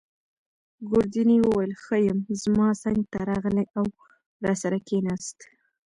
ګوردیني وویل: ښه یم. زما څنګته راغلی او راسره کښېناست.